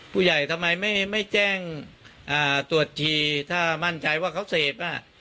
ทำไมไม่แจ้งตรวจทีถ้ามั่นใจว่าเขาเสพอ่ะ